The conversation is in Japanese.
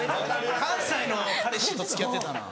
関西の彼氏と付き合ってたな。